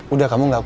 udah kamu gak mau